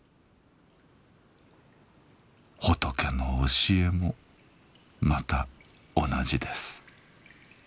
仏の教えもまた同じです。